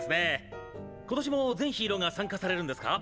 今年も全ヒーローが参加されるんですか？